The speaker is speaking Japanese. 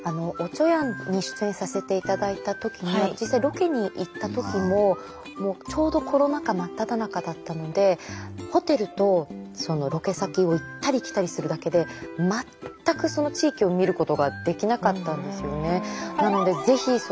「おちょやん」に出演させて頂いた時に実際ロケに行った時もちょうどコロナ禍真っただ中だったのでホテルとそのロケ先を行ったり来たりするだけで全くその地域を見ることができなかったんですよね。